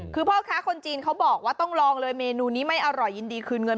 คือพ่อค้าคนจีนเขาบอกว่าต้องลองเลยเมนูนี้ไม่อร่อยยินดีคืนเงิน